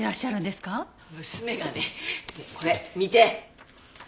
でこれ見て！